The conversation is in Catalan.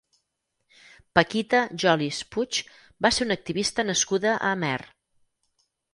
Paquita Jolis Puig va ser una activista nascuda a Amer.